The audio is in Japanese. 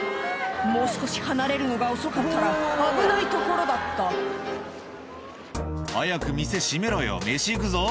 もう少し離れるのが遅かったら危ないところだった「早く店閉めろよ飯行くぞ」